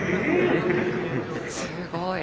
すごい。